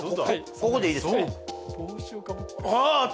ここでいいですか？